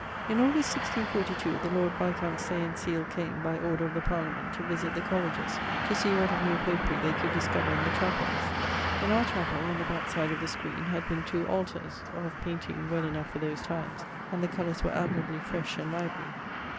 In August, 1642, the lord viscount Say and Seale came (by order of the Parliament) to visit the colleges, to see what of new Popery they could discover in the chapells. In our chapell, on the backside of the skreen, had been two altars (of painting well enough for those times, and the colours were admirably fresh and lively).